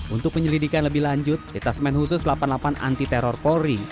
untuk penyelidikan lebih lanjut detasmen khusus delapan puluh delapan anti teror polri